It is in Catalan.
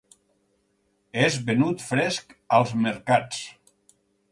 És venut fresc als mercats.